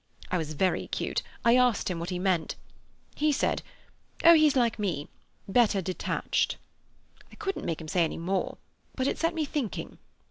I was very cute, I asked him what he meant. He said 'Oh, he's like me—better detached.' I couldn't make him say any more, but it set me thinking.